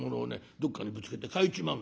どっかにぶつけて欠いちまうんだよ。